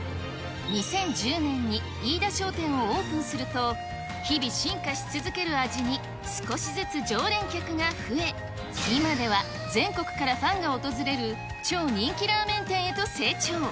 ２０１０年に飯田商店をオープンすると、日々進化し続ける味に、少しずつ常連客が増え、今では全国からファンが訪れる、超人気ラーメン店へと成長。